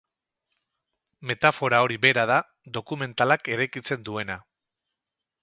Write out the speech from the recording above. Metafora hori bera da dokumentalak eraikitzen duena.